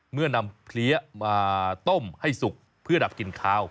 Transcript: เมื่อนำเพลี้ยมาต้มให้สุกเพื่อดับกลิ่นคาว